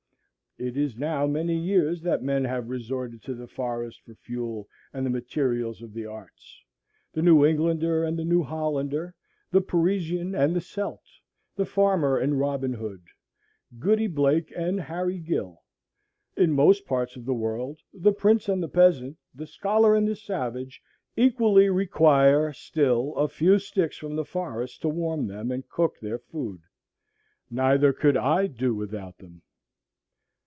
It is now many years that men have resorted to the forest for fuel and the materials of the arts; the New Englander and the New Hollander, the Parisian and the Celt, the farmer and Robinhood, Goody Blake and Harry Gill, in most parts of the world the prince and the peasant, the scholar and the savage, equally require still a few sticks from the forest to warm them and cook their food. Neither could I do without them.